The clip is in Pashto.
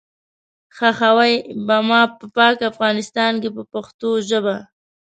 ښخوئ به ما په پاک افغانستان کې په پښتو ژبه.